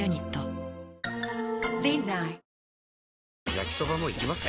焼きソバもいきます？